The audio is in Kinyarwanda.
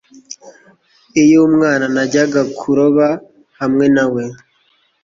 Iyo umwana najyaga kuroba hamwe na we